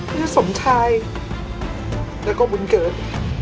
เพื่อจะสมชายและก็บุญเกิด